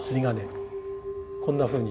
こんなふうに。